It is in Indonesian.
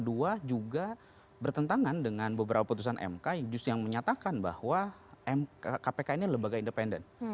kedua juga bertentangan dengan beberapa putusan mk yang justru yang menyatakan bahwa kpk ini lembaga independen